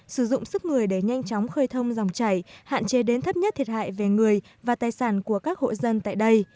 sử dụng sức người để nhanh chóng khơi thông dòng chảy hạn chế đến thấp nhất thiệt hại về người và tài sản của các hộ dân tại đây